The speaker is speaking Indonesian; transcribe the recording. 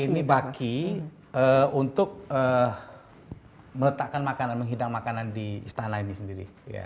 ini baki untuk meletakkan makanan menghidang makanan di istana ini sendiri